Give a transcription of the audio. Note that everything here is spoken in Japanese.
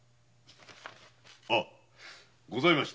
ああございました。